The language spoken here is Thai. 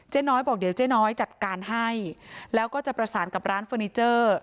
น้อยบอกเดี๋ยวเจ๊น้อยจัดการให้แล้วก็จะประสานกับร้านเฟอร์นิเจอร์